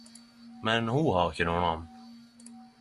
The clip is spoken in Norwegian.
Men ho har ikkje noe namn.